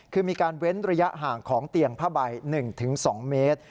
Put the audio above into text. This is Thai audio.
คือมีการเว้นระยะห่างของเตียงผ้าใบ๑๒เมตร